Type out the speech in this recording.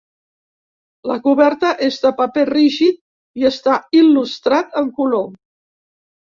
La coberta és de paper rígid i està il·lustrat en color.